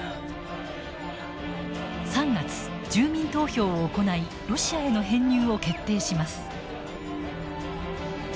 ３月住民投票を行いロシアへの編入を決定します。